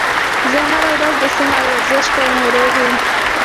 زه هره ورځ د سهار ورزش کوم او روغ یم